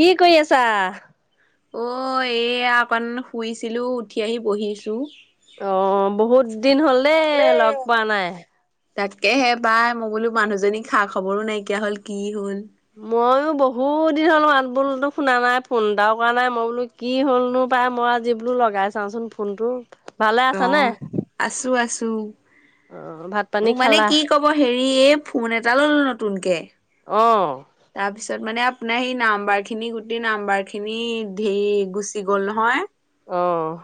কি কৰি আছা? অ' এয়া অকন শুইছিলোঁ উঠি আহি বহিছোঁ। অ' বহুত দিন হ'ল দেই লগ পোৱা নাই। তাকে হে বাই মই বোলো মানুহজনীক খা খবৰো নাইকিয়া হ'ল কি হ'ল। ময়ো বহুত দিন হ'লো [unintelligible] বোলো শুনা নাই ফোন এটাও কৰা নাই মই বোলো কি হ'লনো। পাই মই যি বোলো লগাই চাওঁচোন ফোনটো, ভালে আছা নে? আছোঁ আছোঁ, পানী উম, মানে খালা? কি ক'ব হেৰি হেৰি এই ফোন এটা ল'লো নতুনকে। অ'। তাৰ পিছত মানে আপোনাৰ সেই নাম্বাৰ খিনি গোটেই নাম্বাৰ খিনি ধেৰ গুচি গ'ল নহয়। আহ।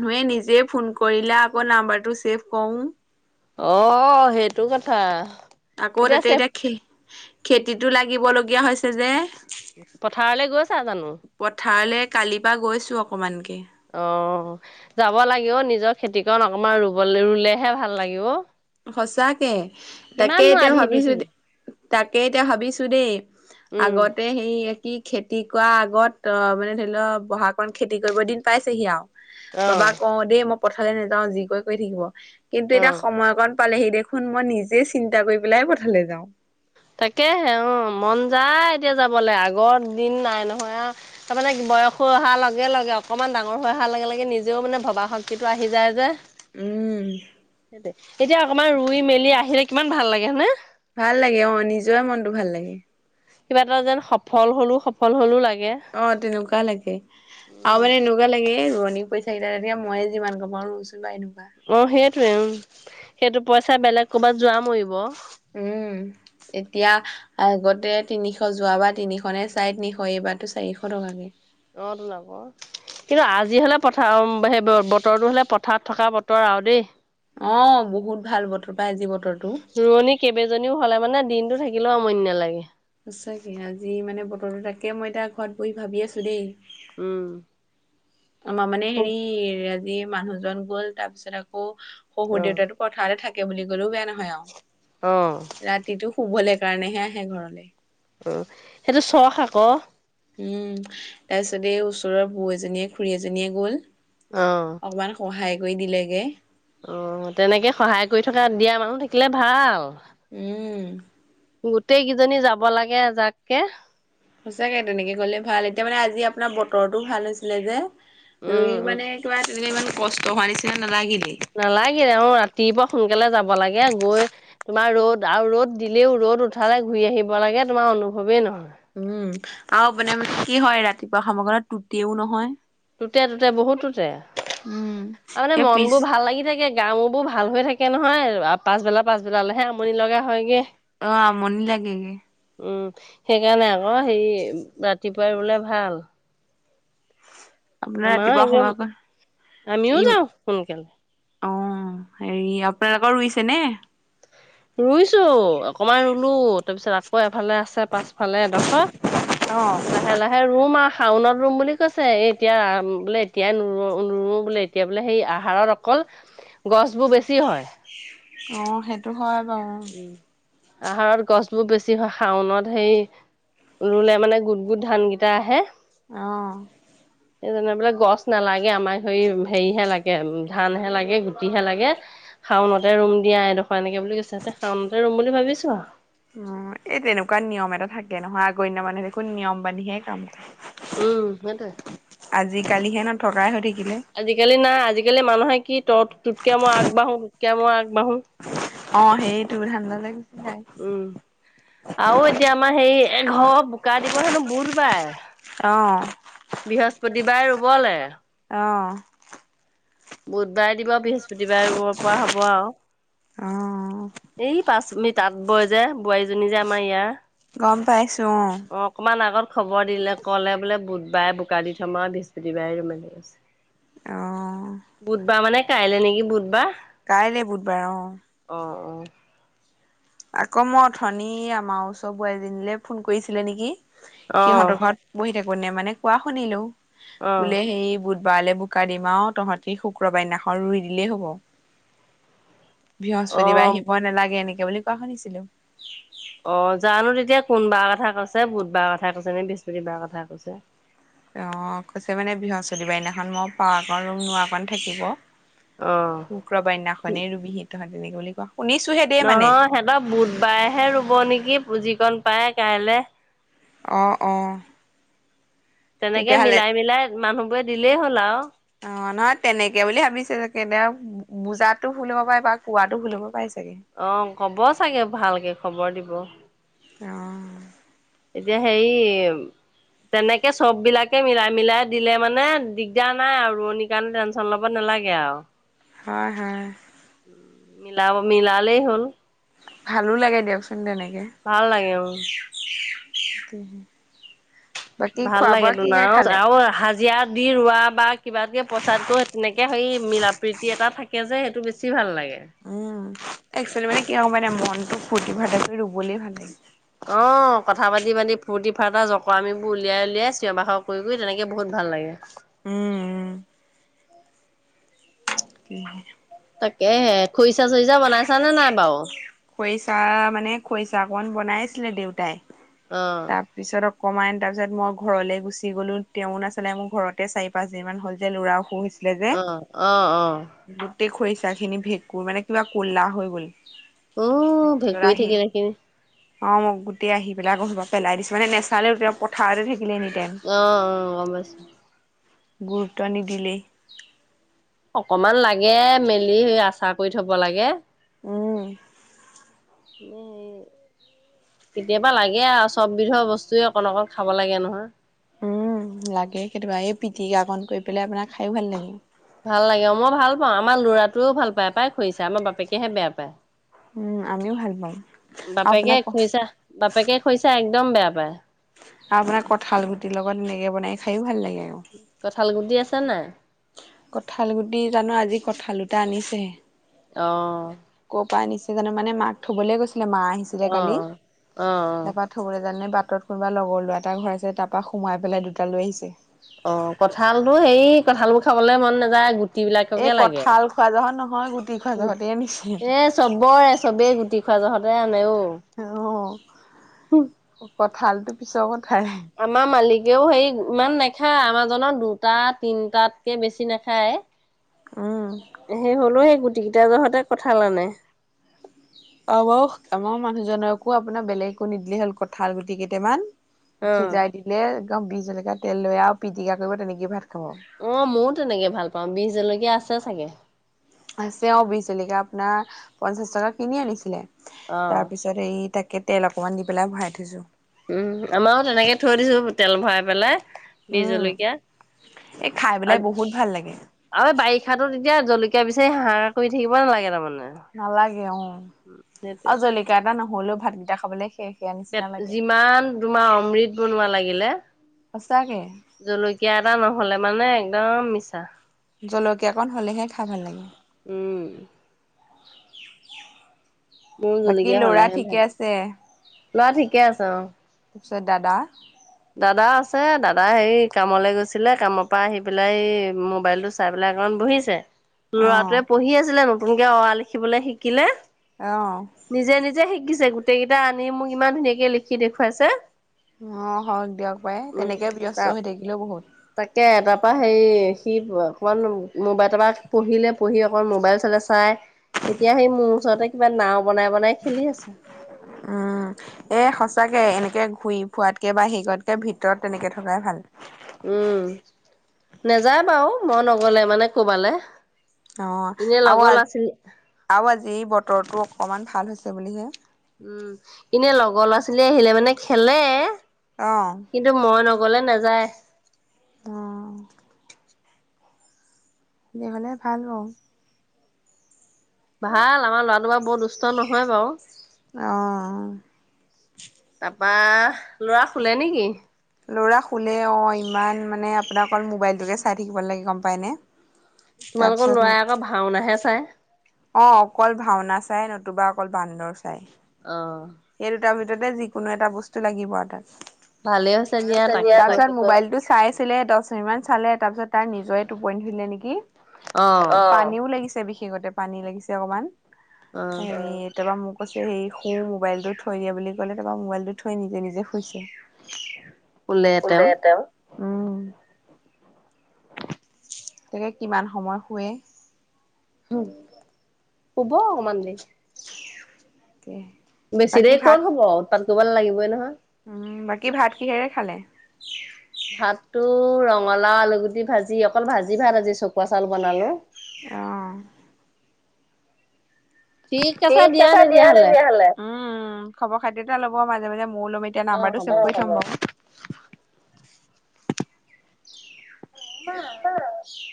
মানুহে নিজে ফোন কৰিলে আকৌ নাম্বাৰটো চছেভ কৰো। অ, সেইটো কথা। আকৌ তাতে এতিয়া খে, খেতিতো লাগিব লগগীয়া হৈছে যে। পথাৰলৈ গৈছা জানো। অ, যাব লাগিব নিজৰ খেতিক আমাৰ ৰুব, ৰুলেহে ভাল লাগিব। সচাকে তাকে এতিয়া আধি দি ভাবিছো দ, থাকিবা। তাকে এতিয়া ভাবিছো দেই। উম, আগতে সেই কি খেতি কৰা আগত অ, মানে ধৰি লোৱা বহাগাকণ খেতি কৰিব দিন পাইছেহি আৰু। বাবা কওঁ দেই, মই পথাললৈ নাযাও। যি কৰি, কৰি থাকিব কিন্তু অ' এতিয়া অ'। সময়কণ পালেহি দেখোন মই নিজে চিন্তা কৰি পেলাই পথাল যাওঁ। তাকেহে অ, মন যায়। এতিয়া যাবলৈ আগৰ দিন নাই নহয়, আহ, তাৰমানে বয়স হৈ অহাৰ লগে, লগে অকণমান ডাঙৰ হৈ অহাৰ লগে, লগে নিজেও মানে ভবা শক্তিটো আহি যায় যে। সেই এতিয়া অকমান ৰুই মেলি আহিলে কিমান ভাল লাগে হনে। ভাল লাগে অ, নিজৰে মনটো ভাল লাগে। কিবা এটা যেন সফল হ'লো, সফল হ'লো লাগে। অ, তেনেকুৱা লাগে আৰু মানে এনেকুৱা লাগে। কৰি থিলে তেতিয়া মইে যিমান কমা নোচোনো এ অ, সেইটয়ে উম, সেইটো পইচা বেলেগ কৰবাত যোৱা মৰিব উম, এতিয়া আগতে তিনিশ যোৱা বা তিনিশ নে, চাৰে তিনিশ এইবাৰ কিবাটো চাৰিশ টকাকে অ, লাব। কিন্তু আজি হলে পথাৰ সেই বতৰটো হলে পথাৰত থকা বতৰ আৰু দেই অ, বহুত ভাল বতৰ পাই আজি বতৰটো। ৰোৱনী কেইবজনীও হলে মানে দিনটো থাকিলেও আমন্য নালাগে। সঁচাকে আজি মানে বতৰটো তাকে মই এতিয়া ঘৰত বহি ভাবি আছো দেই। উম। আ, মানে হেৰি আজি মানুহজন গ'ল তাৰপিছত আকৌ শহুৰ অ দেউতা পথাৰতে থাকে বুলি ক'লেও বেয়া নহয় অ'। আৰু ৰাতিটো শুবলৈ কাৰণেহে আহে ঘৰলৈ। অ, সেইটো চখ আকৌ উম, তাৰপিছত এই ওচৰৰ বু, এজনীয়ে খুৰী এজনীয়ে গ'ল। অ', অকমান সহায় কৰি দিলেগে। অ, তেনেকে সহায় কৰি থকা দিয়া মানুহ থাকিলে ভাল। উম। গোটেই কেইজনী যাব লাগেজাককে। সঁচাকে তেনেকে গলে ভাল এতিয়া মানে আজি আপোনাৰ বতৰৰতটো ভাল হৈছিলে যে ৰুই উম, উম। মানে কিবা তেনেলে ইমান কষ্ট হোৱাৰ নিচিনা নালাগিল। নালাগিলে অ, ৰাতিপুৱা সোনকালে যাব লাগে গৈ তোমাৰ ৰ'দ আৰু ৰ'দ দিলেও, ৰ'দ উঠালে, ঘূৰি আহিব লাগে তোমাৰ। অনুভৱে নহয়। উম, আৰু মানে মানে কি হয় ৰাতিপুৱা সমামগ্ৰত টুতেও নহয়। টোতে, তটোতে বহুত টোতে আৰু মানে মন বোৰ ভাল লাগি থাকে। গা, মোৰবোৰ ভাল হৈ থাকে নহয়। পাছবেলা, পাছবেলালৈহে আমনি লগা হয়গৈ। অ, মনি লাগেগে। উম, সেইকাৰণে আকৌ হেৰি ৰাতিপুৱাই ৰুলে ভাল। আপোনাৰ আমাৰ ৰাতিপুৱা একদম সময়ক আমিও ইম, যাওঁ সোনকালে অ'। হেৰি আপোনালোকৰ ৰুইছে নে? ৰুইছো অকমান ৰুলো তাৰপিছত আকৌ ফালে আছে পাছফালে এডোখত লাহে লাহে ৰুম আও। শাওনত ৰুম বুলি কৈছে এই এতিয়া বোলে এতিয়াই নোৰুও বোলে এতিয়া বোলে সেই আহাৰত অকল গছবোৰ বেছি হয়। অ সেইটো হয় বাৰু। উম আহাৰত গছবোৰ বেছি হয় শাওনত হেৰি ৰুলে মানে গোট গোট ধান গিটা আহে। অ। এইজনে বোলে গছ নেলাগে আমাক হে হেৰিহে লাগে উম ধানহে লাগে গুটিহে লাগে শাওনতে ৰুম দিয়া এইডোখৰ এনেকে বুলি কৈছে শাওনতে ৰুম বুলি ভাবিছো আও। উম এই তেনেকুৱা নিয়ম এটা থাকে নহয় আগৰ দিনৰ মানুহে দেখোন নিয়ম মানিহে কাম কৰে। উম সেইটোয়ে। আজিকালি নাই আজিকালি মানুহে কি ত তোতকে মই আগবাঢ়ো। তোতকে মই আগবাঢ়ো। অ সেইটো ধান্দালে গৈছে। উম আৰু এতিয়া আমাৰ হেৰি এঘৰ বোকা দিব হেনো বুধবাৰে। বৃহস্পতিবাৰে ৰুবলে। বুধবাৰে দিব বৃহস্পতিবাৰে ৰুব পৰা হ'ব আৰু। অ। এই পাঁচমি তাঁত বয় যে বোৱাৰীজনী যে আমাৰ ইয়াৰ। গম পাইছো অ। অকমান আগত খবৰ দিলে ক'লে বোলে বুধবাৰে বোকা দি থম আৰু বৃহস্পতিবাৰে ৰুম এনেকে কৈছে। অ। বুধবাৰ মানে কাইলে নিকি বুধবাৰ? কাইলে বুধবাৰ অ। অ অ আক মই অথনি আমাৰ ওচৰৰ বোৱাৰীজনীলে ফোন কৰিছিলে নিকি? সিহঁতৰ ঘৰত বঢ়ি থাকোতে মানে কোৱা শুনিলো অ বোলে সেই বুধ বাৰলে বোকা দিমা আও তহঁতি শুক্ৰবাৰৰ দিনাখন ৰুই দিলেই হ'ব। অ বৃহস্পতিবাৰে অ আহিব নেলাগে এনেকে বুলি কোৱা শুনিছিলো। অ, জানো তেতিয়া কোনবাৰৰ কথা কৈছে বুধবাৰৰ কথা কৈছে নে বৃহস্পতিবাৰৰ কথা কৈছে। অ, কৈছে মানে বৃহস্পতি বাৰৰ দিনাখন মই পৰাকন ৰুম নোৱাৰকন থাকিব। অ শুক্ৰবাৰৰ দিনাখনেই ৰুবিহি তহঁতি তেনেকে বুলি কোৱা নহয় সিহঁতৰ বুধবাৰেহে ৰুব নেকি পুঁজিকন পাই কাইলে। অ অ। তেনেকে মিলাই মিলাই মানুহবোৰে দিলেই হ'ল আও। অ, নহয় তেনেকে বুলি ভাবিছিলো কিন্তু বুজাতো ভুল হ'ব পাৰে বা কোৱাতো ভুল হ'ব পাৰে। অ, ক'ব চাগে ভালকে খবৰ দিব। অ। এতিয়া হেৰি তেনেকে চ'ব বিলাকে মিলাই- মিলাই দিলে মানে দিগদাৰ নাই আ ৰোৱনিৰ কাৰণে টেনশ্যন ল'ব নালাগে। [unintelligible] হয় হয়। মিলাব মিলালেই হ'ল। ভালো লাগে দিয়কচোন তেনেকে। ভাল লাগে উম। [unintelligible] ভাল লাগে তোন আৰু হাজিৰা দি ৰোৱা বা কিবাকে পইচাটো তেনেকে হেৰি মিলা-প্ৰীতি এটা থাকে যে সেইটো বেছি ভাল লাগে। উম, এক্সুৱেলি মানে কি গম পাইনে মনটো ফূৰ্তি-ফাৰ্তা কৰি ৰুবলেই ভাল লাগে। অ, কথা পাতি পাতি, ফুৰ্তি-ফাৰ্তা, জকৰামিবোৰ উলিয়াই উলিয়াই, চিঞৰ-বাখৰ কৰি কৰি তেনেকে বহুত ভাল লাগে। উম, উম। [unintelligible] তাকে হে খুৰিচা- চুৰিচা বনাইছা নে নাই বাৰু। খৰিচা মানে খৰিচা কণ বনাইছিলে দেউতাই, অ' তাৰপিছত। কমাইন তাৰ পিছত মই ঘৰলৈ গুচি গ'লো তেওঁ নাচেলে মোৰ ঘৰতে চাৰি পাঁচ দিন মান হ'ল যে ল'ৰাও অসুস হৈছিল। আহ' আহ' অ'। গোট খৰিচা খিনি ভেঁকুৰ মানে কিবা কলা হৈ গ'ল। উ, ভেকুৰী থাকিলে। অ' মই গোটেই আহি পাই আকৌ পেলাই দিছো মানে নেচালে পথাৰতে থাকি আহ, অ' গ'ম পাইছো। গুৰুত্ব নিদিলেই। অকমান লাগে মেলি আচাৰ কৰি থব লাগে। উম। উম, উম। কেতিয়াবা লাগে আৰু চ'ব বিধৰ বস্তুৱে অকণ- অকণ খাব লাগে নহয়। উম, লাগে কেতিয়াবা এই পিটিকা কণ কৰি পেলাই আপোনাক খাইও ভাল লাগে। ভাল লাগে, মই ভাল পাওঁ, আমাৰ ল'ৰাটোৱেই ভাল পায় পাই খুৰিছা। আমাৰ বাপেকেহে বেয়া পায়। বাপেকে খৰিছা। বাপেকে খৰিছা। এক একদম বেয়া পায়। আৰু আপোনাৰ কঁঠাল গুটিৰ লগত এনেকে বনাই খায়ো ভাল লাগে। কঁঠাল গুটি আছে নে নাই। কঁঠাল গুটি জানো আজি কঁঠাল দুটা আনিছেহে। আহ কৰপৰা আনিছে জানো মানে মাক থ'বলৈ গৈছিলে মা আহিছিলে অ কালি অ অ তাৰাপা থ'বলৈ যাওতে বাট বাটত কোনোবা লগৰ ল'ৰাৰ এটা ঘৰ আছে তাৰপৰা সোমাই পেলাই দুটালৈ আহিছে। অ' কঁঠাল টো হেৰি কঁঠাল বোৰ খাবলে মন নাযায়, গুটি গুটি বিলাককে লাগে গু এ চবৰে চবেই গুটি খোৱা জহত। নাই অ'। ভাল টো পিছৰকন খাইহে। আমাৰ মালিকেও হে ইমান নাখায়, আমাৰাজত দুটা তিনটাতকে বেছি নাখায়। সেই হ'লেও সেই গুটি কেইটা জহতে কঁঠাল আনে। আমাৰো আমাৰ মানুহজননৰ আকৌ আপোনাৰ বেলেগ একো নিদিলে হ'ল কঁঠাল গুটি কেইটামান। অ সিজাই দিলে একদম বিহ জলেকীয়া তেল লৈ আৰু পিটিকা কৰিব তেনেকে ভাত অ' ময়ো তেনেকে ভাল পাওঁ, বিহ জলকীয়া আছে চাগে। আছে অ' বিহ জলকীয়া আপোনাৰ পঞ্চাশ টকা কিনি আনিছিলে। অ তাৰ পিছত এই তাকে তেল অকমান দি পেলাই ভৰাই থৈছো উম, আমাৰো তেনেকে থৈ দিছো তেল ভৰাই পেলাই বিজ জলকীয়া আৰু এই বাৰিষা তেতিয়া জলকীয়া জলকীয়া বিচাৰি কৰি থাক নালাগে তাৰমানে। নালাগে অ' সেইটোৱে আৰু জলকীয়া এটা নহ'লেও ভাতকিটা খাবলে শেষ। যিমান তোমাৰ অমৃত বনোৱা লাগিলে। জলকীয়া এটা নহ'লে মানে একদম মিছা। জলকীয়া কণ হ'লেহে খাই ভাল লাগে। উম [unintelligible] মোৰ জলকীয়া হ'লে হে ভাল, লৰা ঠিকে আছে অ'। কৈছে দাদা। দাদা আছে দাদা হেৰি কামলে গৈছিলে কামৰ পৰা আহি পেলাই সেই মোবাইল টো চাই পেলাই। বহিছে ল'ৰাটোৱে পঢ়ি আছিলে, নতুনকে অৰা লিখিবলৈ শিকিলে। নিজে নিজে শিকিছে, গোটেই কেইটা আনি মোক ইমান ধুনীয়াকে লিখি দেখুৱাইছে। অ হওক দিয়ক বাই উম তেনেকে ব্যস্ত তাক হৈ থাকিলেও বহুত। তাকে তাৰ পৰা হে সি অকমান মোবাইল তপ পৰা পঢ়িলে পঢ়ি অকমান মোবাইল চলে চাই। এতিয়া সেই মোৰ ওচৰতে কিবা নাও বনাই বনাই খেলি আছে। তাকে এনেকে ঘূৰিই ফোৱাতকে বা সে কৰাতকে ভিতৰত তেনেকে থকাই ভাল। উম নেযায় বাৰু মই নগলে মানে কৰবালে। অ আৰু আ আৰু আজি বতৰটো অকমান ভাল হৈছে বুলিহে। উম এনে লগৰ ল'ৰা ছোৱালী আহিলে মানে খেলে। কিন্তু মই নগলে নাযায়। [unintelligible] ভাল। আমাৰ ল'ৰাটো বা বৰ দুষ্ট নহয় বাৰু। বা ল'ৰা শুলে নেকি? ল'ৰা শুলে অঁ ইমান মানে আপোনাক অকল মোবাইলটোকে চাই থাকিব নালাগে গম পায়নে। তোমালোকৰ লৰাই আকৌ ভাওনাহে চাই। অ অকল ভাওনা চাই নতুবা অকল বান্দৰ চাই। অ। যিকোনো এটা বস্তু লাগিব আৰু তাত। ভালেই হৈছে দিয়া তাকে কৈ তাৰপিছত মোবাইলটো চাইছিলে দহ মিনিট মান চালে। তাৰ পিছত তাৰ নিজৰে টোপনি ধৰিলে নেকি, অ পানীও লাগিছে বিশষ পানী লাগিছে অকমান অ হে এতিয়াবা মোক কৈছে শু মোবাইল টো থৈ দিয়া বুলি ক'লে। তাৰপা মোবাইলটো থৈ নিজে নিজে শুইছে। শুলে তেওঁ, উম। তাকে কিমান সময় শুৱে। [unintelligible] শুব অকমান [unintelligible] বেছিদেৰি ক'ত শুব, উৎপাত কৰিবলৈ লাগিবই নহয়। উম বাকী ভাত কিহেৰে খালে? ভাততো ৰঙালাও আলুগুটি ভাজি অকল ভাজি ভাত আজি চকুৱা চাউল বনালো। অ। ঠিক আছে দিয়া তেতিয়াহ'লে। উম খবৰ খাতি এটা ল'ব মাজে মাজে মইও লম এতিয়া অ নাম্বাৰটো হ'ব চেভ কৰি থম [unintelligible]